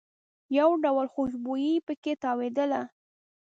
یو ډول خوشبويي په کې تاوېدله.